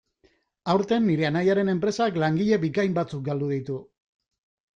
Aurten, nire anaiaren enpresak langile bikain batzuk galdu ditu.